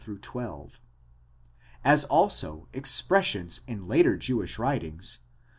as also expressions in later Jewish writings